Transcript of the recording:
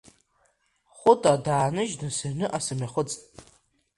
Хәыта дааныжьны сыҩныҟа сымҩахыҵт.